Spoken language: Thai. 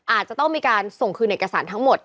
อาจจะต้องมีการส่งคืนเอกสารทั้งหมด